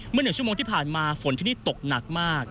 ๑ชั่วโมงที่ผ่านมาฝนที่นี่ตกหนักมาก